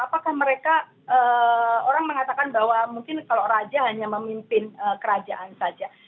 apakah mereka orang mengatakan bahwa mungkin kalau raja hanya memimpin kerajaan saja